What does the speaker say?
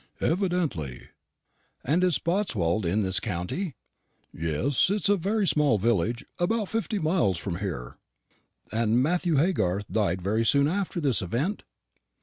"Evidently." "And is Spotswold in this county?" "Yes; it is a very small village, about fifty miles from here." "And Matthew Haygarth died very soon after this event?"